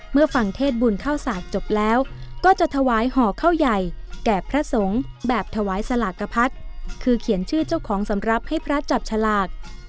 เมื่อฟังเทศบุญเข้าศาสตร์จบแล้วก็จะถวายห่อข้าวใหญ่แก่พระสงฆ์แบบถวายสลากพัฒน์คือเขียนชื่อเจ้าของสำหรับให้พระจับฉลาก